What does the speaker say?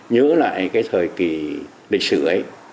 nhớ lại cái thời kỳ lịch sử ấy